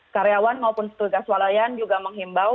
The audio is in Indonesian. karyawan maupun petugas walayan juga menghimbau